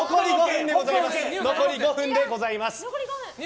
残り５分でございます。